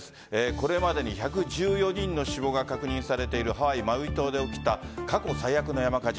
これまでに１１４人の死亡が確認されているハワイ・マウイ島で起きた過去最悪な山火事。